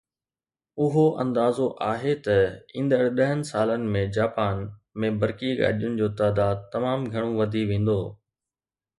اهو اندازو آهي ته ايندڙ ڏهن سالن ۾ جاپان ۾ برقي گاڏين جو تعداد تمام گهڻو وڌي ويندو